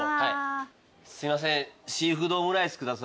すいません。